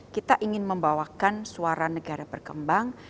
kita ingin membawakan suara negara berkembang